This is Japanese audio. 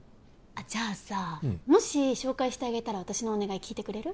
あっじゃあさもし紹介してあげたら私のお願い聞いてくれる？